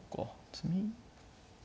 詰み？